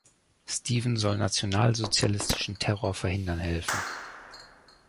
Stephen soll nationalsozialistischen Terror verhindern helfen.